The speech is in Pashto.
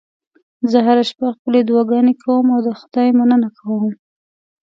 زه هره شپه خپلې دعاګانې کوم او د خدای مننه کوم